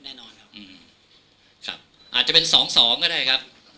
แน่นอนครับครับอาจจะเป็นสองสองก็ได้ครับ